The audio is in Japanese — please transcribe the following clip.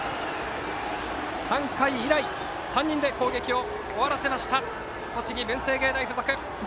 ３回以来、３人で攻撃を終わらせました栃木・文星芸大付属。